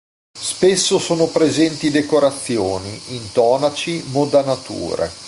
Spesso sono presenti decorazioni, intonaci, modanature.